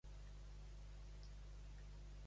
Serdinyà en té tant d'orgull, per un xic de vi que cull.